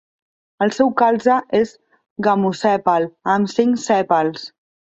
El seu calze és gamosèpal amb cinc sèpals.